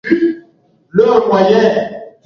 Mnyama hukimbilia kivulini